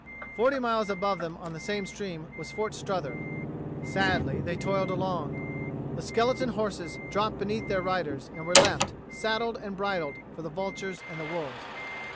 Forty miles above them on the same stream was Fort Strother. Sadly they toiled along. The skeleton horses dropped beneath their riders, and were left, saddled and bridled, for the vultures and the wolves.